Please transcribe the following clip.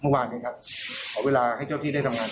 เมื่อวานนี้ครับขอเวลาให้เจ้าที่ได้ทำงาน